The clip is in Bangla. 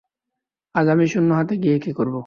আজ আমি শূন্য হাতে গিয়ে কী করব?